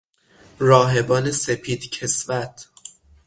راهبان سپید کسوت